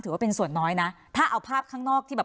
ว่าเป็นส่วนน้อยนะถ้าเอาภาพข้างนอกที่แบบ